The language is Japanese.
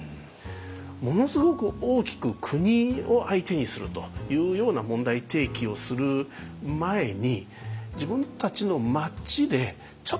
ものすごく大きく国を相手にするというような問題提起をする前に自分たちの町で「ちょっとここ困ってるよね」